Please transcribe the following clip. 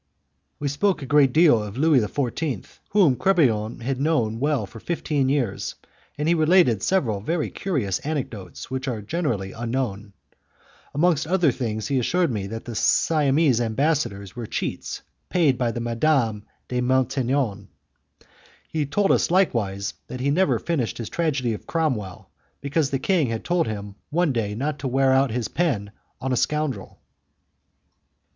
We spoke a great deal of Louis XIV., whom Crebillon had known well for fifteen years, and he related several very curious anecdotes which were generally unknown. Amongst other things he assured me that the Siamese ambassadors were cheats paid by Madame de Maintenon. He told us likewise that he had never finished his tragedy of Cromwell, because the king had told him one day not to wear out his pen on a scoundrel.